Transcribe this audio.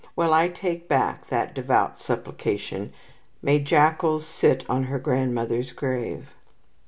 Well, I take back that devout supplication. May jackals sit on her grandmother's grave!